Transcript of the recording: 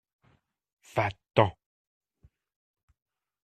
Va-t-en !